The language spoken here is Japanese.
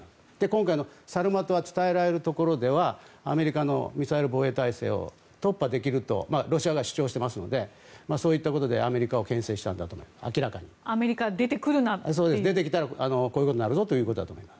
今回のサルマトは伝えられるところではアメリカのミサイル防衛体制を突破できるとロシアが主張していますのでアメリカ、出てきたらこういうことになるぞと。